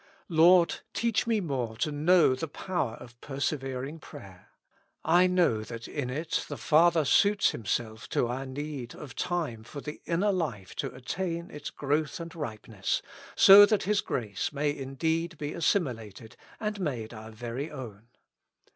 Lord ! teach me more to know the power of per severing prayer. I know that in it the Father suits Himself to our need of time for the inner life to attain its growth and ripeness, so that His grace may indeed be assimilated and made our very own.